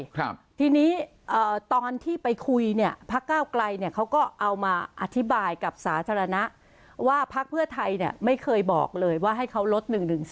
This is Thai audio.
ครับทีนี้ตอนที่ไปคุยเนี่ยพักเก้าไกลเนี่ยเขาก็เอามาอธิบายกับสาธารณะว่าพักเพื่อไทยเนี่ยไม่เคยบอกเลยว่าให้เขาลด๑๑๒